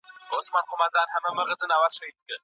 تاسي کله د افغانستان د ابادۍ په لاره کي لومړی کتاب ولیکی؟